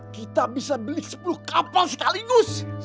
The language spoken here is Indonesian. kita bisa beli sepuluh kapal sekaligus